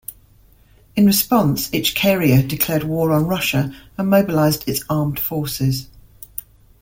In response Ichkeria declared war on Russia and mobilised its armed forces.